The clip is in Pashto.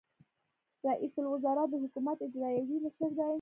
رئیس الوزرا د حکومت اجرائیوي مشر دی